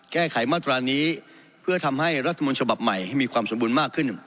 แก้ไขมาตรานี้เพื่อทำให้รัฐมนต์ฉบับใหม่ให้มีความสมบูรณ์มากขึ้น